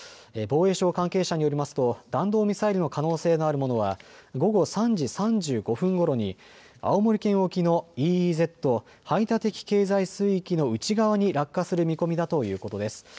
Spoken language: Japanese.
防衛省関係者によりますと弾道ミサイルの可能性があるものは午後３時３５分ごろに青森県沖のＥＥＺ・排他的経済水域の内側に落下する見込みだということです。